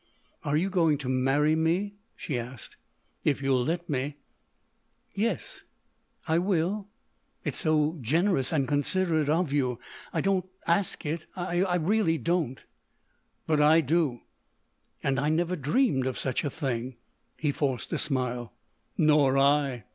"Are you going to marry me?" she asked. "If you'll let me." "Yes—I will ... it's so generous and considerate of you. I—I don't ask it; I really don't——" "But I do." "—And I never dreamed of such a thing." He forced a smile. "Nor I.